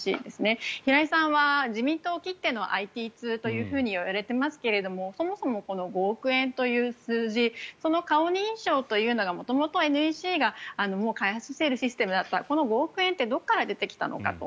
平井さんは自民党きってのＩＴ通といわれていますけどもそもそもこの５億円という数字その顔認証というのが元々、ＮＥＣが開発していたシステムだったらこの５億円ってどこから出てきたのかと。